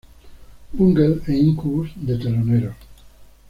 Bungle e Incubus de teloneros.